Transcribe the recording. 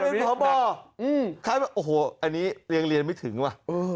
ใครเป็นพ่อบ่อโอ้โหอันนี้เรียงเรียนไม่ถึงว่ะ